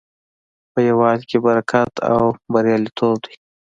په یووالي کې برکت او بریالیتوب دی.